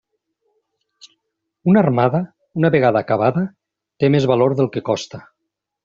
Una armada, una vegada acabada, té més valor del que costa.